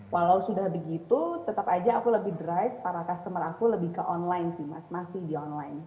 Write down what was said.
walau sudah begitu tetap aja aku lebih drive para customer aku lebih ke online sih mas masih di online